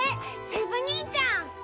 セブ兄ちゃん